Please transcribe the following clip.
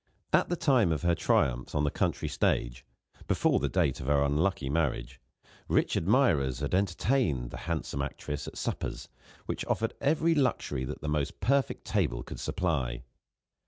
At the time of her triumphs on the country stage before the date of her unlucky marriage rich admirers had entertained the handsome actress at suppers, which offered every luxury that the most perfect table could supply.